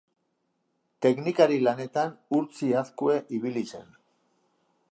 Teknikari lanetan Urtzi Azkue ibili zen.